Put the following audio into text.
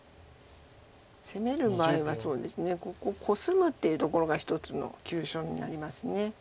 攻める前はここコスむっていうところが一つの急所になります。